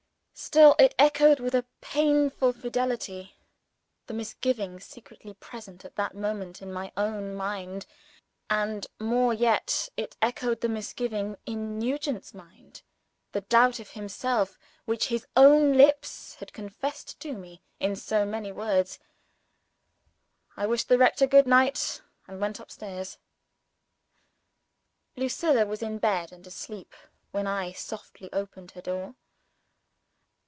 Still, it echoed, with a painful fidelity, the misgiving secretly present at that moment in my own mind and, more yet, it echoed the misgiving in Nugent's mind, the doubt of himself which his own lips had confessed to me in so many words. I wished the rector good night, and went upstairs. Lucilla was in bed and asleep, when I softly opened her door.